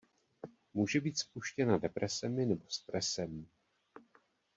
Může být spuštěna depresemi nebo stresem.